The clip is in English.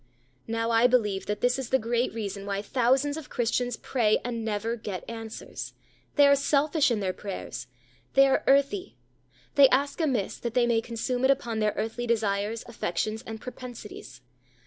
Now, I believe that this is the great reason why thousands of Christians pray and never, get answers. They ARE SELFISH IN THEIR PRAYERS; they are earthy; they ask amiss, that they may consume it upon their earthly desires, affections, and propensities.